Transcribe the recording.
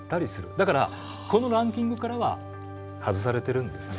だからこのランキングからは外されてるんですね。